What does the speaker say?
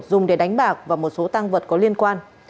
dùng để đánh bạc và một số tăng vật có liên quan